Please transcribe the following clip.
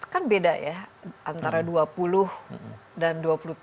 kan beda ya antara dua puluh dan dua puluh tujuh